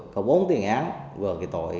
có bốn tiền án vừa tội